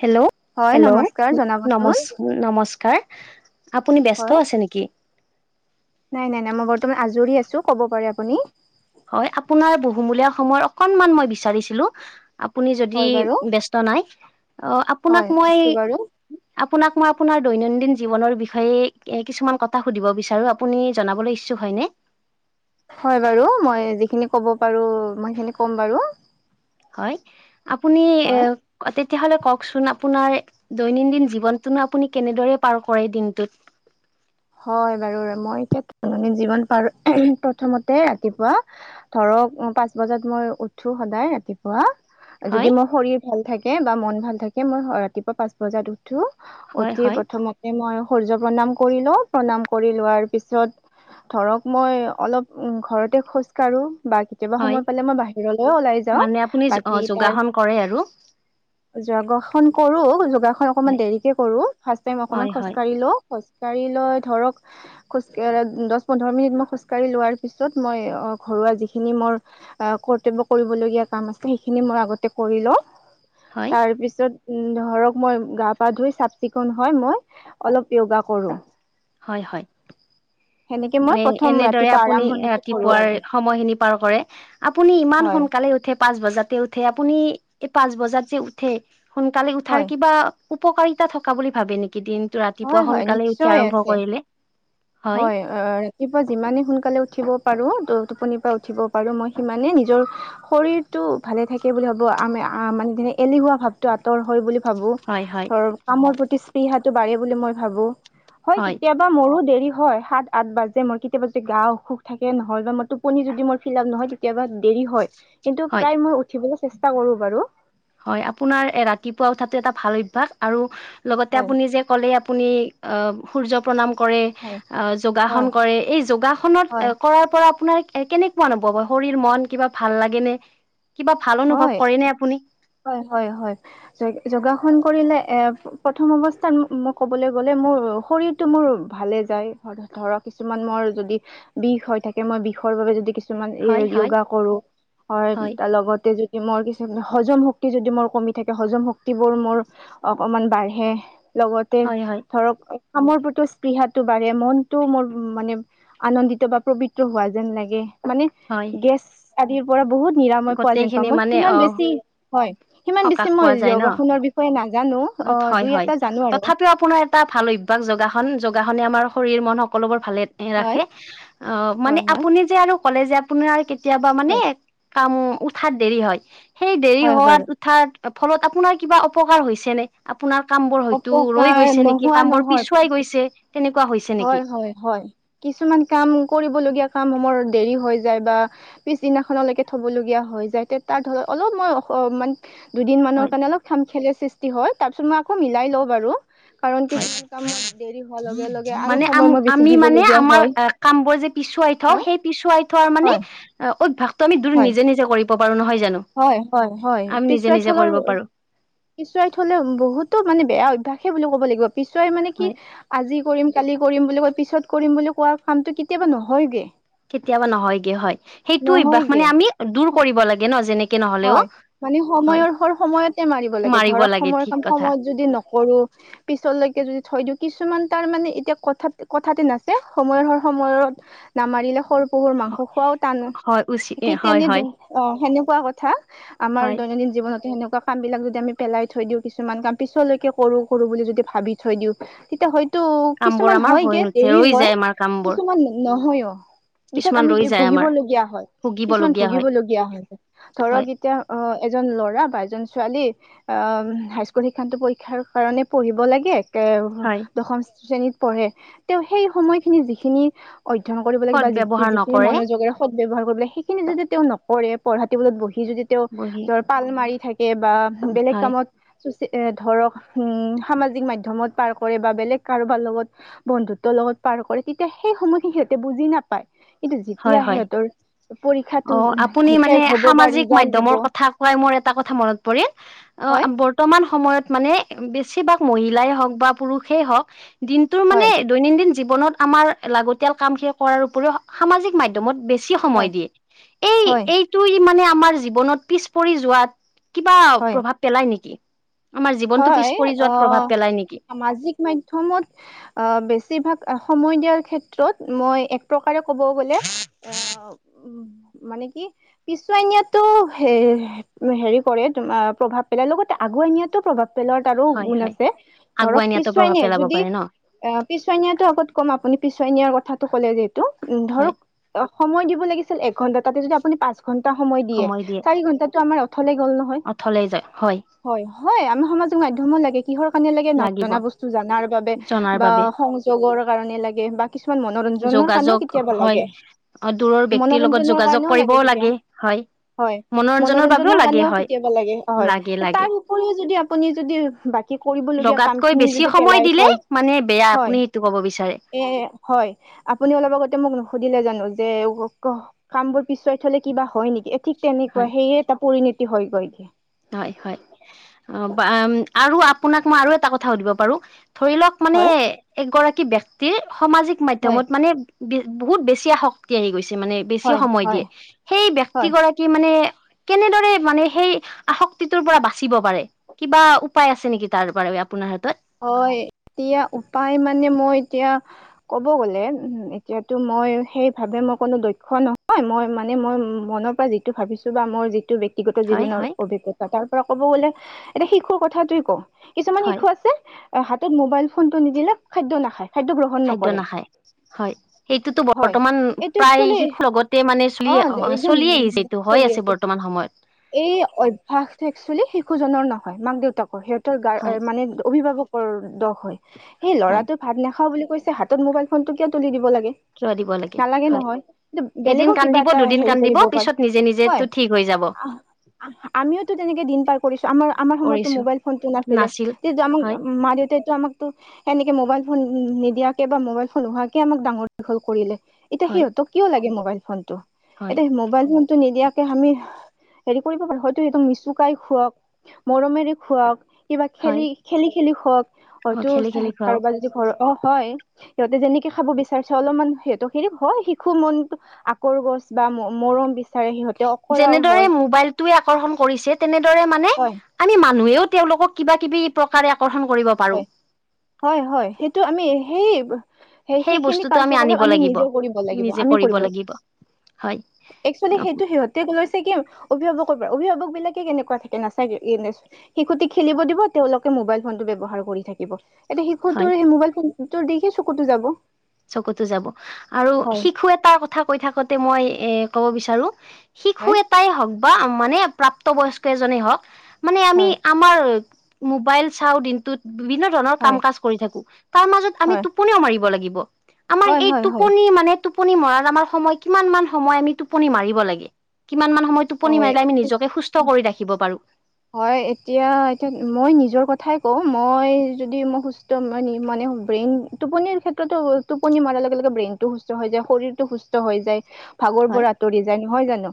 Hello! হয় hello! নমস্কাৰ জনাবচোন নম-নমস্কাৰ। আপুনি ব্যস্ত হয় আছে নেকি? নাই, নাই, নাই মই বৰ্তমান আজৰি আছোঁ, ক'ব পাৰে আপুনি। হয়, আপোনাৰ বহুমূলীয়া সময়ৰ অকনমান মই বিচাৰিছিলোঁ। আপুনি যদি হয় বাৰু ব্যস্ত নাই অ', হয় আপোনাক মই আছো বাৰু আপোনাক মই আপোনাৰ দৈনন্দিন জীৱনৰ বিষয়ে কিছুমান কথা সুধিব বিচাৰোঁ, আপুনি জনাবলৈ ইচ্ছুক হয়নে? হয়, বাৰু মই যিখিনি ক'ব পাৰোঁ, মই সেইখিনি ক'ম বাৰু। হয়, আপুনি এ, হয় তেত তেতিয়াহ'লে কওঁকচোন আপোনাৰ দৈনিন্দিন জীৱনতোনো আপুনি কেনেদৰে পাৰ কৰে দিনটোত? হয়, বাৰু মই এতিয়া দৈনন্দিন জীৱন পাৰোঁ, প্ৰথমতে ৰাতিপুৱা ধৰ পাঁচ বজাত মই উঠোঁ সদায় ৰাতিপুৱা। যদি হয় মোৰ শৰীৰ ভাল থাকে, বা মন ভাল থাকে মই ৰাতিপুৱা পাঁচ বজাত উ উঠোঁ, হয় উঠি হয় প্ৰথমতে মই সূৰ্য প্ৰণাম কৰি লওঁ। প্ৰণাম কৰি লোৱাৰ পিছত ধৰক মই অলপ ঘৰতে খোজকাঢ়োঁ। বা কেতিয়াবা হয় সময় পালে মই বাহিৰলৈ ওলাই যাওঁ, মানে আপুনি বাকী তাৰ যোগাসন কৰে আৰু [unintelligible] ন কৰোঁ, যোগাসন অকনমান হয় দেৰিকে কৰোঁ, ফাৰ্ষ্ট টাইম অকনমান হয় হয় খোজকাঢ়ি লওঁ, খোজকাঢ়ি লৈ ধৰক খোজ-অ', দচ, পোন্ধৰ মিনিট মই খোজকাঢ়ি লোৱাৰ পিছত মই অ', ঘৰুৱা যিখিনি মই আ, কৰ্তব্য কৰিবলগীয়া কাম আছে সেইখিনি মই আগতে কৰি লওঁ। হয় তাৰপিছত উম, ধৰক মই গা পা ধুই, চাফ চিকুণ হৈ মই অলপ য়োগা কৰোঁ। হয় হয়। সেনেকে মই প্ৰথম এ-এনেদৰে ৰাতিপুৱা আপুনি আৰম্ভণিটো কৰো ৰাতিপুৱাৰ আৰু সময়খিনি পাৰ কৰে। আপুনি ইমান হয় সোনকালে উঠে পাঁচ বজাতে উঠে, আপুনি এই পাঁচ বজাত যে উঠে সোনকালে উঠাৰ হয়। কিবা উপকাৰিতা থকা বুলি ভাবে নেকি? দিনটো হয় ৰাতিপুৱা হয় সোনকালে উঠি নিশ্চয় আৰম্ভ আছে কৰিলে হয় অ', ৰাতিপুৱা যিমানে সোনকালে উঠিব পাৰো টো-টোপনি পৰা উঠিব পাৰো, মই সিমানে নিজৰ শৰীৰটো ভালে থাকে বুলি ভাবো, আমি মানে নে এলেহুৱা ভাৱটো আঁতৰ হয় বুলি ভাবো হয় হয় ধৰ কামৰ প্ৰতি স্পৃহাটো বাঢ়ে বুলি মই ভাবো হয় কেতিয়াবা মোৰো দেৰি হয় সাত আঠ বাজে মোৰ কেতিয়াবা যদি গা অসুখ থাকে নহ'লে বা মই টোপনি যদি মোৰ ফিল আপ নহয় তেতিয়াবা দেৰি হয় কিন্তু হয় প্ৰায় মই উঠিবলৈ চেষ্টা কৰো বাৰু হয়, আপোনাৰ ৰাতিপুৱা উঠাতটো এটা ভাল অভ্যাস আৰু লগতে হয় আপুনি যে ক'লে আপুনি সূৰ্য প্ৰাম হয় হয় যোগাসন কৰে এই হয় যোগাসনত কৰাৰ পৰা আপোনাৰ এ কেনেকুৱা অনুভৱ শৰীৰ মন কিবা ভাল লাগে নে কিবা ভাল অনুভৱ কৰে হয় নে আপুনি হয়, হয়, হয় যোগাসন কৰিলে এ প্ৰথম অৱস্থাত মোক ক'বলৈ গ'লে মোৰ শৰীৰতটো মোৰ ভালে যায় ধৰক কিছুমান মোৰ যদি বিষ হয় থাকে মই বিষৰ বাবে যদি কিছুমান এই হয়, হয়, য়োগা কৰো হয় তাৰ লগত ত যদি মোৰ কি হজম শক্তি যদি মোৰ কমি থাকে হজম শক্তিবোৰ মোৰ অকমান বাঢ়ে লগতে হয়, হয়, ধৰক কামৰ প্ৰতি স্পৃহাটো বাঢ়ে মনটো মোৰ মানে আনন্দিত বা পবিত্ৰ হোৱা যেন লাগে মানে হয়। গেছ আদিৰ পৰা বহুত নিৰাময় পোৱা যেন পাম গোটেইখিনি মই মানে সিমান অ' বেছি হয় সিমান সকাহ বেছি মই পোৱা যায় ন? যোগাসনৰ বিষয়ে নাজানোঁ হয়, হয় তথাপিও আপোনাৰ এটা ভাল অভ্যাস যোগখন [unintelligible] আমাৰ শৰীৰ মন সকলোবোৰ ভালে হয়। ৰাখে অ', মানে হয় হয়। আপুনি যে আৰু ক'লে যে আপোনাৰ আৰু কেতিয়াবা মানে হয় কাম উঠাত দেৰি হয় সেই দেৰি হয় হোৱাত বাৰু উঠাৰ ফলত আপোনাৰ কিবা অপকাৰ হৈছে ন আপোনাৰ কাম বোৰ হয়তো ৰৈ অপকাৰ গৈছে নেকি নোহোৱা কাম বোৰ নহয় পিছুৱাই গৈছে তেনেক হয়, হয়, হয় কিছুমান কাম কৰিবলগীয়া কাম সমৰ দেৰি হৈ যায় বা পিছদিনাখনলৈকে থবলগীয়া হৈ যায় তে তাৰ ধৰ অলপ মই অ', মান দুদিন মানৰ হয়, কাৰণে অলপ খ খেলেৰ সৃষ্টি হয় তাৰ পিছত মই আকৌ মিলাই লওঁ বাৰু কাৰণ হয়। [unintelligible] কামত দেৰি হোৱাৰ লগে লগে আৰু মানে আ সময় মই বেছি আমি মানে দিবলগীয়া আমাৰ হয় কামবোৰ যে পিছুৱাই থওঁ হয় সেই পিছুৱাই [unintelligible] মানে হয়। অ অভ্যাসটো আমি দূ হয় নিজে, নিজে কৰিব পাৰো নহয় জানো হয়, হয়, হয় আমি নিজে পিছৰাই নিজে কৰিব থলৰ পাৰো পিছুৱাই থলে বহুতো মানে বেয়া অভ্যয়াসে বুলি ক'ব লাগিব পিছুৱাই মানে কি হয় আজি কৰিম কালি কৰিম বুলি কোৱা পিছত কৰিম বুলি কোৱা কামটো কেতিয়াবা নহয়গে কেতিয়াবা নহয়গে হয় সেইটো অভ্যাস মানে নহয়গে আমি দূৰ কৰিব লাগে ন যেনেকে নহলেও হয় মানে হয় সময়ৰ হল সময়তে মাৰিব লাগে ধৰক সময়ৰ কাম সময়ত যদি নকৰো পিছলৈকে যদি থৈ কিছুমান তাৰ মানে এতিয়া কথাত কথাতে নাচছে সময় সময়ত নামাৰিলে সৰু কহুৰ মাংস খোৱাও টানো হয় উচি ঠিক হয় তেনে হয় অ', সেনেকুৱা কথা আমাৰ হয় দৈনন্দিন জীৱনতে সেনেকুৱা কাম বিলাক যদি আমি পেলাই থৈ দিওঁ কিছুমান কাম পিছলৈকে কৰো কৰো বুলি যদি ভাবি থৈ দিওঁ তেতিয়া হয় তটো কাম বোৰ কিছুমান আমাৰ হৈ হয়গে নুঠে দেৰি ৰৈ হয় যায় আমাৰ কাম বোৰ কিছুমান নহয়ও পিছত কিছুমান আমি ৰৈ কি যায় আমাৰ ভুগিবলগীয়া হয় কিছুমান ভুগিবলগীয়া হয় ভুগিবলগীয়া হয় ধৰক হয় এতিয়া অ', এজন ল'ৰা বা এজন ছোৱালী অ', হাইস্কুল শিক্ষান্ত পৰীক্ষাৰ কাৰণে পঢ়িব লাগে এ হয় দশম শ্ৰেণীত পঢ়ে [unintelligible] সেই সময়খিনি যিখিনি অধ্যয়ন কৰিব লাগ সদ বা য ব্যৱহাৰ যিখিনি নকৰে মনোযোগেৰে সদ ব্যৱহাৰ কৰিব লাগে সেইখিনি যদি তেওঁ নকৰে পঢ়া টেবুলত বহি স যদি তেওঁ বহি ধৰ পাল মাৰি থাকে বা বেলেগ হয় কামত এ ধৰক উ সামাজিক মাধ্যমত পাৰ কৰে বা বেলেগ কাৰোবাৰ লগত বন্ধুত্বৰ লগত পাৰ কৰে তেতিয়া সেই সময় সিহঁতে বুজি নাপায় কিন্তু যেতিয়া হয় হয় সিহঁতৰ পৰীক্ষাটো অ আপুনি শেষ মানে হব বা সামাজিক ৰিজাল্ট মাধ্যমত দিব ৰ কথা কৱোই এটা কথা মনত পৰিল হয় ত মানে বেছিভাগ মহিলাই হওক বা পুৰুষেই হওঁক দিনটো মানে হয় দৈনন্দিন জীৱনত আমাৰ লাগতিয়াল কামখিনি কৰাৰ উপৰিও সামাজিক মাধ্যমত বেছ বেছি সময় হয় দিয়ে এই হয় এইটোই মানে আমাৰ জীৱনত পিছ পৰি যোৱাত কিবা হয় প্ৰভাৱ পেলাই নেকি? আমাৰ জীৱনটো পিছ হয় পৰি অ যোৱাত প্ৰভাৱ পেলাই নেকি সামাজিক মাধ্যমত অ বেছ বেছিভাগ সময় দিয়াৰ ক্ষেত্ৰত মই এক প্ৰকাৰে ক'ব গলে অ উম মানে কি পিছুৱাই নিয়াতো হেৰি কৰে, তোমাৰ প্ৰভাৱ পেলাই লগতে আগুৱাই নিয়াত পেলৰ তাৰো হয় গুণ হয় আছে, ধৰক আগুৱাই নিয়াতো পিছুৱাই প্ৰভাৱ নিয়ে পেলাব যদি পাৰে ন অ পিছুৱাই নিয়াটো আগত কমা আপুনি পিছ ছোৱাই নিয়াৰ কথাটো কলে যে এইটো, ধৰক হয় অ সময় দিব লাগিছিল এক ঘন্টা তাতে যদি আপুনি পাঁচ ঘণ্টা সময় দিয়ে চাৰি ঘন্টাটো আমাৰ অথলে গল নহয়, অথলে যায় হয়৷ হয়, আমাক সামাজিক মাধ্যমো লাগে৷ কিহৰ কাৰণে লাগে লাগিব নজনা বস্তু জনাৰ বাবে জনাৰ বা বাবে সংযোগৰ কাৰণে লাগে বা কিছুমান মনোৰঞ্জনৰ কাৰণেও যোগাযোগ কেতিয়াবা হয় লাগে৷ দূৰৰ ব্যক্তিৰ লগত মনোৰঞ্জনৰ যোগাযোগ কাৰণেও লাগে কৰিবও কেতিয়া হয় হয় বাবেও মনোৰঞ্জনৰ লাগে কাৰণেও হয় কেতিয়াবা লাগে হয় লাগে লাগে তাৰোপ ৰিও যদি আপুনি যদি বাকী কৰিবলগীয়া কাম লগাতকৈ খিনি বেছি যদি সময় পেলাই দিলে থয়, মানে বেয়া হয় আপুনি সেইটো ক'ব বিচাৰে এ হয়৷ আপুনি অলপ আগতে মোক নুসুধিলে জানো যে কাম বোৰ পিছুৱাই থলে কিবা হয় নেকি? ঠিক তেনেকুৱা সেয়ে এটা পৰিণতি হয় গৈ। হয়-হয় অ, বা আৰু আপোনাক মই আৰু এটা কথা সুধিব পাৰো ধৰি লওক মানে হয় এগৰাকী ব্যক্তি সমাজিক হয় মাধ্যমত মানে বহুত বেছি আসক্তি আহি গৈছে মানে বেছি হয় সময় হয় দিয়ে সেই হয় ব্যক্তিগৰাকী মানে কেনেদৰে মানে সেই আসক্তিটোৰ পৰা বাচিব পাৰে কিবা উপায় আছে নেকি তাৰ বাবে আপোনাৰ হাতত? হয় এতিয়া উপায় মানে মই এতিয়া কব গ'লে এতিয়াতো মই সেইভাৱে মোৰ কোনো দক্ষ নহয় মই মানে মই মনৰ পৰা যিটো ভাবিছোঁ বা মোৰ যিটো বে ব্যক্তিগত হয় জীৱনৰ হয় অভিজ্ঞতাৰ তাৰপৰা ক'ব গ'লে এটা শিশুৰ কথাটোই কওঁ কিছুমান হয় শিশু আছে অ, হাতত মোবাইল ফোন টো নিদিলে খাদ্য নাখায়। খাদ্য গ্ৰহণ খাদ্য নকৰে নাখায় হয়, সেইটোতো হয় বৰ্তমান এইটো প্ৰায় একচুৱেলি শিশুৰ লগতে মানে চুলি অ', অ', চলিয়েই আহিছে এইটো হৈ আছে বৰ্তমান সময়ত এই অভ্যাসটো এক্সুৱেলি শিশু জনৰ নহয় মাক-দেউতাকৰ সিহঁত ত' হয় গাৰ মানে অভিভাৱকৰ দখ হয় সেই হয় ল'ৰাটোই ভাত নাখাওঁ বুলি কৈছে হাতত মোবাইল ফোনটো কিয় তুলি দিব লাগে? কিয় দিব লাগে এ নালাগে হয় নহয় এদিন বেলেগো কিবা কান্দিব এটা দুদিন হেৰি কান্দিব কৰিব পাৰে পিছত নিজে নিজেটো হয়। ঠিক হৈ যাব আহ আহ, আমিওতো তেনেকে দিন পাৰ কৰিছো আমাৰ-আমাৰ সময়ততো কৰিছো মোবাইল ফোনটো নাছিলে নাছিল তেতিয়া আমাক হয় মা-দেউতাই তো আমাকতো সেনেকে মোবাইল ফোন নিদিয়াকে বা মোবাইল ফোন নোহোৱাকে আমাক ডাঙৰ দীঘল কৰিলে। এতিয়া হয় সিহতক কিয় লাগে মোবাইল ফোনটো হয় এতিয়া মোবাইল ফোনটো নিদিয়াকে আমি হেৰি কৰিব পাৰে হয়তো সিহঁতক নিচুকাই খুৱাওক, মৰমেৰে খুৱাওক কিবা হয় খেলি-খেলি-খেলি শুৱক অ হয়তো খেলি খেলি খুৱাও কাৰোবাৰ যদি ঘৰ অ, হয়। সিহঁতে যেনেকে খাব বিচাৰছে অলপমান সিহঁত হেৰি হয় শিশু মন আকোৰগোঁজ বা মৰম বি যেনেদৰে মোবাইল টোই আকৰ্ষণ কৰিছে তেনেদৰে মানে হয় আমি মানুহেও তেওঁলোকক কিবা কিবি প্ৰকাৰে আকৰ্ষণ কৰিব পাৰো হয় হয় হয় সেইটো আমি সেই সেই সেইখিনি বস্তুটো কাৰ্যকলাপ আনিব আমি লাগিব নিজেও কৰিব লাগিব নিজে আমি কৰিব লাগিব হয় এক্সুৱেলি অ সেইটো সিহঁতে ক লৈ চাগে অভিভাৱকৰ পৰা অভিভাৱক বিলাকে কেনেকুৱা থাকে নাথাকে শিশুটিক খেলিব দিব তেওঁলোকে মোবাইল ফোন টো ব্যৱহাৰ কৰি থাকিব এতিয়া হয় শিশুটোৰ সেই মোবাইল ফোনটোৰ দিখে চকুতো যাব৷ চকুতো যাব আৰু হয় শিশু এটাৰ কথা কৈ থাকোতে মই এ কব বিচাৰো শিশু হয় এটাই হওক বা মানে প্ৰাপ্ত বয়স্ক এজনে হওক মানে আমি হয় আমাৰ মোবাইল চাওঁ দিনটোত, বিভিন্ন ধৰণৰ কাম হয় কাজ কৰি থাকো। তাৰ মাজত আমি হয় টোপনিও মাৰিব লাগিব৷ আমাৰ হয় এই হয় টোপনি মানে টোপনি মৰাৰ আমাৰ সময় কিমান মান সময় আমি টোপনি মাৰিব লাগে? কিমান মান সময় টোপনি হয় মাৰিলে আমি নিজকে হয় সুস্থ কৰি ৰাখিব পাৰো? হয়, এতিয়া-এতিয়া মই নিজৰ কথাই কওঁ, মই যদি মই সুস্থ [unintelligible] ব্ৰেইন টোপনিৰ ক্ষেত্ৰতোতে টোপনি মৰাৰ লগে লগে ব্ৰেইনটো সুস্থ হৈ যায়, শৰীৰটো সুস্থ হৈ যায়। ভাগৰ হয় পৰা আঁতৰি যায় নহয় জানো?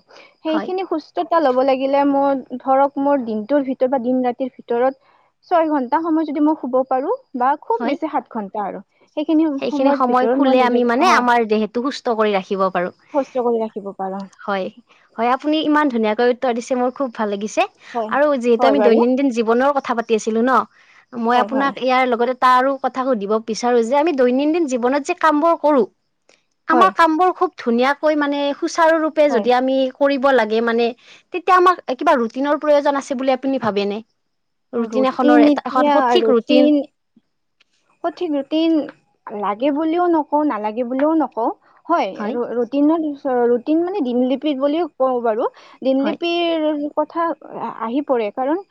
হয় সেইখিনি সুস্থতা ল'ব লাগিলে মই ধৰক মোৰ দিনটোৰ ভিতৰত বা দিন ৰাতিৰ ভিতৰত ছয় ঘন্টা সময় যদি মই শুব পাৰো বা খুব হয় বেছি সাত ঘণ্টা আৰু। সেইখিনি সময়ৰ সময় ভিতৰত মই শুলে আমি নিজক মানে, হয় আমাৰ দেহটো সুস্থ কৰি ৰাখিব পাৰো। সুস্থ কৰি ৰাখিব পাৰো হয়, হয়, আপুনি ইমান ধুনীয়াকৈ [unintelligible] দিছে মোৰ খুব ভাল লাগিছে হয় আৰু যিহেতু হয় আমি বাৰু দৈনন্দিন জীৱনৰ কথা পাতি আছিলো ন মই হয় হয় আপোনাক ইয়াৰ লগতে তাৰো কথা সুধিব বিচাৰো যে আমি দৈনন্দিন জীৱনত যে কামবোৰ কৰো, হয় আমাৰ কামবোৰ খুব ধুনায়াকৈ মানে সুচাৰুৰূপে হয় যদি আমি কৰিব লাগে মানে, তেতিয়া আমাক কিবা ৰুটিনৰ প্ৰয়োজন আছে বুলি আপুনি ভাবেনে? ৰুটিন এখনৰ এটা, এখন সঠিক ৰুটিন। সঠিক ৰুটিন, লাগে বুলিও নকওঁ, নালাগে বুলিও নকওঁ। হয়, ৰুটিন-ৰুটিন মানে দিন লিপি বুলিও কওঁ বাৰু। হয় দিললিপিৰ কথা আহি পৰে কাৰণ,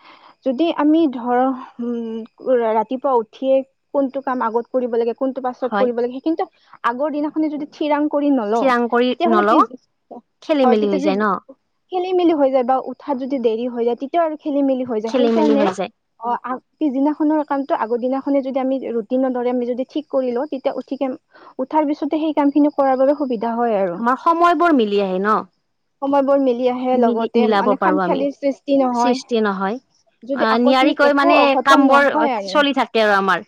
যদি আমি ধৰ উ, ৰাতিপুৱা উঠ উঠিয়ে কোনটো কাম আগত কৰিব লাগে, কোনটো পাছত হয় কৰিব লাগে, সেই কিন্তু আগৰ দিনাখনে যদি থিৰাং কৰিম নল‌ও, থিৰাং কৰি তেতিয়াহলে নলওঁ পিছ, খেলি হয়, মেলি তেতিয়া হৈ য যায় ন খেলি মেলি হৈ যায়, বা উঠাত যদি দেৰি হৈ যায় তেতিয়া আৰু খেলি মেলি হৈ যায় খেলি মেলি সেইকাৰণে হৈ যায় আ পিছদিনাখনৰ কামটো আগৰদিনাখনে যদি যেতিয়া আমি ৰুটিনৰ দৰে আমি যদি ঠিক কৰি ল‌ও, [unintelligible] তেতিয়া উঠাৰ পিছতে সেই কাম খিনি কৰাৰ বাবে সুবিধা হয় আৰু আমাৰ সময়বোৰ মিলি আহে ন? সময়বোৰ মিলি আহে মিলি লগতে মিলাব মানে পাৰো খাম আমি খেলৰ সৃষ্টি নহয়। সৃষ্টি নহয় যদি আহ আকস্মিক নিয়াৰিকৈ একো মানে কাম অঘটন বোৰ নহয় আৰু। চলি থাকে আৰু আমাৰ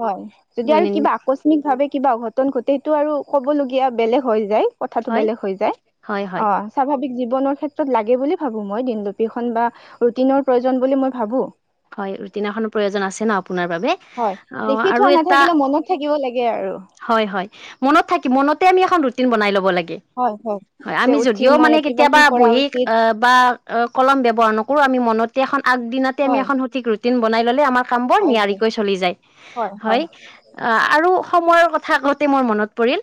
হয়, যদি আৰু দৈনিন কিবা আকস্মিকভাৱে কিবা অঘটন ঘটে, সেইটো আৰু ক'বলগীয়া বেলেগ হৈ যায়। কথাটো হয় বেলেগ হৈ যায়, হয় হয় অ', স্বাভাৱিক জি- জীৱনৰ ক্ষেত্ৰত লাগে বুলি ভাবো মই দিনলিপিখন বা ৰুটিনৰ প্ৰয়োজন বুলি মই ভাবো। হয় ৰুটিন এখনৰ প্ৰয়োজন আছে ন আপোনাৰ বাবে। হয় অ', লিখি থোৱা আৰু এটা নাথাকিলে মনত থাকিব লাগে আৰু হয় হয়, মনত থাকি মনতে আমি এখন ৰুটিন বনাই লব লাগে। হয় হয়। হয়, যে আমি উঠি যদিও মই মানে ৰাতিপুৱা কেতিয়াবা কি কৰা বহী উচিত আহ বা কলম ব্যৱহাৰ নকৰো, আমি মনত [unintelligible] আগদিনাতে আমি হয় এখ ৰুটিন বনাই ল'লে আমাৰ কামবোৰ হয় হয় নিয়াৰিকৈ চলি যায়। হয়, আৰু সময়ৰ কথা কওঁতে মোৰ মনত পৰিল,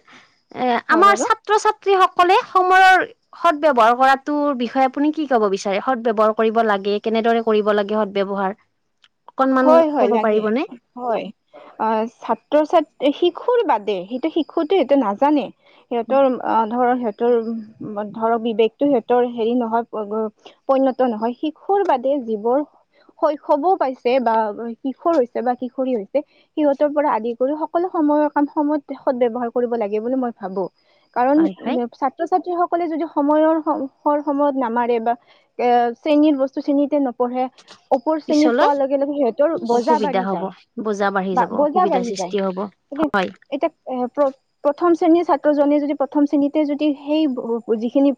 এ হয় আমাৰ বাৰু ছাত্ৰ ছা [unintelligible] সকলে সময়ৰ সদ ব্যৱহাৰ কৰাটোৰ বিষয়ে আপুনি কি ক'ব বিচাৰে, সদ ব্যৱহাৰ কৰিব লাগে [unintelligible] কেনেদৰে কৰিব লাগে সদ ব্যৱহাৰ। অকনমান হয় হয়, ক'ব লাগে পাৰিবনে হয়, ছাত্ৰ ছাত শিক [unintelligible] বাদে সেইটো শিশুতো সেইটো নাজানে, সিহঁতৰ অ', ধৰক সিহত [unintelligible] ধৰক বিবেকতটো সিহঁতৰ হেৰি নহয়, পৰিণত নহয়, শিশুৰ বাদে যিবোৰ শৈশৱো পাইছে এ, বা কিশোৰ হৈছে বা কিশোৰী হৈছে, সিহঁতৰ পৰা আদি কৰি সকলো সময়ৰ কাম সময়ত সদ ব্যৱহাৰ কৰিব লাগে বুলি মই ভাবো। কাৰণ হয় হয় ছাত্ৰ ছা ছাত্ৰীসকলে যদি সময়ৰ, সৰ সময়ত নামাৰে বা এ শ্ৰেণীৰ বস্তু শ্ৰেণীতে নপঢ়ে ও [unintelligible] ওপৰ শ্ৰেণীত পিছলৈ পোৱাৰ লগে লগে সিহঁতৰ বজা অসুবিধা বাঢ়ি হ'ব যায় বোজা বাঢ়ি বা যাব বজা অসুবিধাৰ বাঢ়ি যায়। সৃষ্টি হ'ব হয় প্ৰথম শ্ৰণীৰ ছাত্ৰ জনে যদি প্ৰথম শ্ৰেণীতে যদি সেই যিখিনি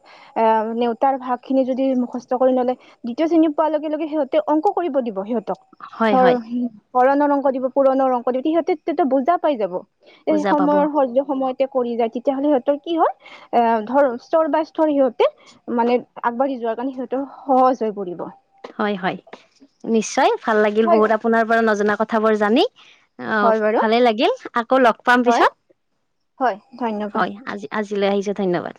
অ নেওতাৰ ভাগ খিনি যদি মুখস্ত কৰি নলয়। দ্বিতীয় শ্ৰেণী পোৱা লগে লগে সিহঁতে অংক কৰিব দিব। সিহঁতক হয় ধৰ হয় হৰণৰ অংক দিব, পুৰণৰ অংক দিব সিহঁতেটো বুজা পাই যাব। বুজা পাব সময়ৰ স সময়তে কৰি যায় তেতিয়া হ'লে সিহঁতৰ কি হয়। এ ধৰ সৰ বা সিহঁতে মানে আগবাঢ়ি যোৱাৰ কাৰণে সিহঁতেৰ সহজ হৈ পৰিব। হয়। হয়। নিশ্চয় ভাল লাগিল হয় বহুত আপোনাৰ পৰা নজনা কথাবোৰ জানি। অ হয় বাৰু ভালে লাগিল আকৌ লগ পাম হয় পিছত হয় ধন্যবাদ হয়। আজি আজি আহিছো ধন্যবাদ।